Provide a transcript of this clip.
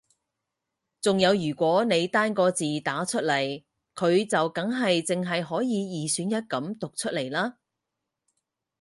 仲有如果你單個字打出嚟佢就梗係淨係可以二選一噉讀出嚟啦